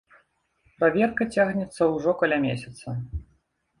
Праверка цягнецца ўжо каля месяца.